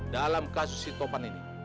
dalam kasus si topan ini